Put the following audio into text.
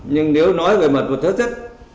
nhưng nếu nói về mặt vật chất